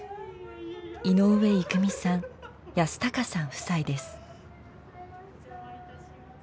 井上郁美さん保孝さん夫妻です。